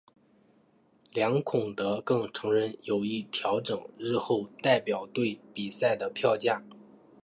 梁孔德更承认有意调整日后代表队比赛的票价。